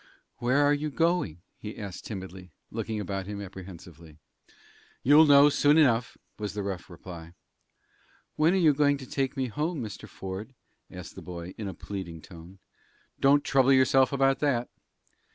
"Where are you going?" he asked timidly, looking about him apprehensively. "You'll know soon enough," was the rough reply. "When are you going to take me home, Mr. Ford?" asked the boy, in a pleading tone. "Don't trouble yourself about that."